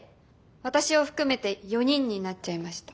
私を含めて４人になっちゃいました。